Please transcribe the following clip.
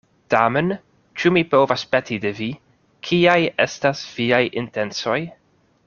Tamen ĉu mi povas peti de vi, kiaj estas viaj intencoj?